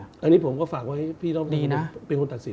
อันนี้ผมก็ฝากไว้พี่รอบนี้นะเป็นคนตัดสิน